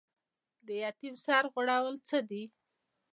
د یتیم سر غوړول څه دي؟